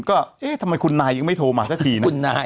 ก็เอ๊ะทำไมคุณนายยังไม่โทรมาสักทีนะ